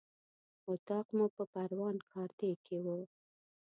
اطاق مو په پروان کارته کې و.